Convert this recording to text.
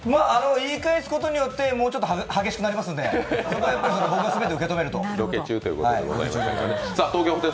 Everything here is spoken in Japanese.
言い返すことによって、もうちょっと激しくなりますので、そこは僕が全て受け止めると。